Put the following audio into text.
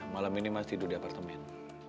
malam ini mas tidur di apartemen